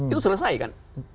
itu selesai kan